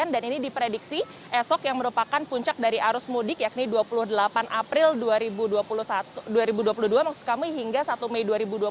dan ini diprediksi esok yang merupakan puncak dari arus mudik yakni dua puluh delapan april dua ribu dua puluh dua maksud kami hingga satu mei dua ribu dua puluh dua